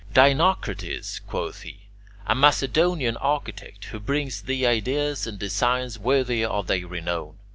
"Dinocrates," quoth he, "a Macedonian architect, who brings thee ideas and designs worthy of thy renown.